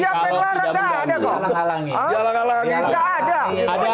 kalau tidak mengganggu